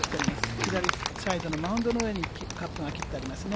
左サイドのマウンドの上にカップが切ってありますね。